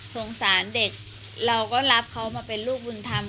สงสารเด็กเราก็รับเขามาเป็นลูกบุญธรรม